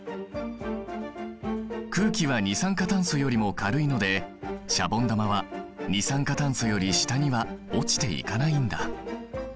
空気は二酸化炭素よりも軽いのでシャボン玉は二酸化炭素より下には落ちていかないんだ。